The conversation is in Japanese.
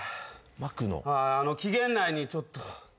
期限内にちょっと。